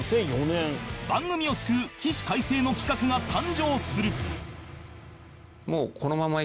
番組を救う起死回生の企画が誕生する